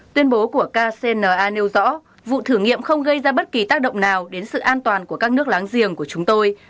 tuyên bố của kcna nêu rõ vụ thử nghiệm không gây ra bất kỳ tác động nào đến sự an toàn của các nước láng giềng của chúng tôi